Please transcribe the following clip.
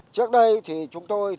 trước đây thì chúng tôi